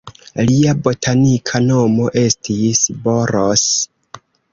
Lia botanika nomo estis "Boros".